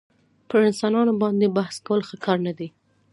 پر انسانانو باندي بحث کول ښه کار نه دئ.